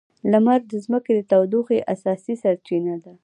لمر د ځمکې د تودوخې اساسي سرچینه ده.